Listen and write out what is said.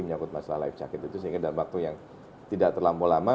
menyangkut masalah life jacket itu sehingga dalam waktu yang tidak terlampau lama